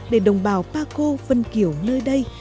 để đồng bào pa co vân kiểu nơi đây